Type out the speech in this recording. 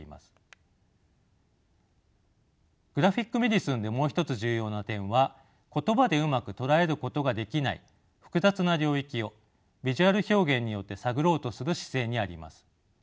グラフィック・メディスンでもう一つ重要な点は言葉でうまく捉えることができない複雑な領域をビジュアル表現によって探ろうとする姿勢にあります。